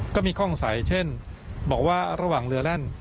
ก็มีข้องใสเช่นบอกว่าระหว่างเรือแล่น